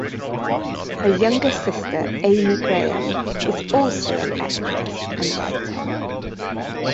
Her younger sister, Aimee Graham, is also an actress, and writer.